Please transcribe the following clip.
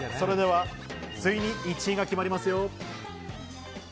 ついに１位が決まりますよ。